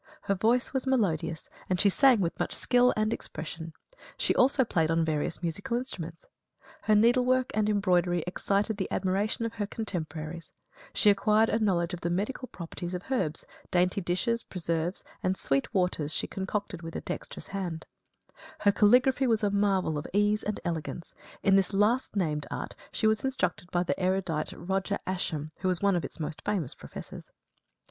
Her voice was melodious, and she sang with much skill and expression; she also played on various musical instruments. Her needle work and embroidery excited the admiration of her contemporaries; she acquired a knowledge of the medical properties of herbs; dainty dishes, preserves, and "sweet waters" she concocted with dexterous hand; her calligraphy was a marvel of ease and elegance; in this last named art she was instructed by the erudite Roger Ascham, who was one of its most famous professors.